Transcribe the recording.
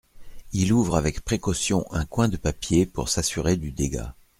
Il ouvre avec précaution un coin de papier pour s’assurer du dégât.